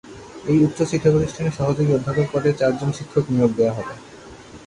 এই উচ্চ শিক্ষাপ্রতিষ্ঠানে সহযোগী অধ্যাপক পদে চারজন শিক্ষক নিয়োগ দেওয়া হবে।